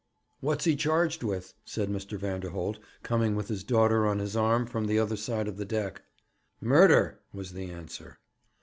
'What's he charged with?' said Mr. Vanderholt, coming with his daughter on his arm from the other side of the deck. 'Murder!' was the answer.